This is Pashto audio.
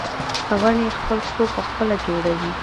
غڼې خپل کور پخپله جوړوي